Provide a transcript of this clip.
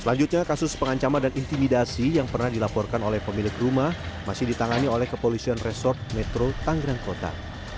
selanjutnya kasus pengancaman dan intimidasi yang pernah dilaporkan oleh pemilik rumah masih ditangani oleh kepolisian resort metro tanggerang kota